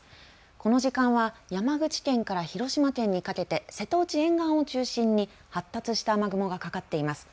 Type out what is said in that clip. この時間は山口県から広島県にかけて瀬戸内沿岸を中心に発達した雨雲がかかっています。